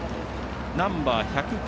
ナンバー１０９